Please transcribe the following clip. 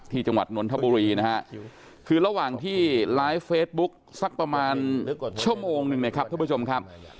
ที่จังหวัดนนทบุรีนะครับคือระหว่างที่ไลฟ์เฟซบุ๊กสักประมาณชั่วโมงนะครับ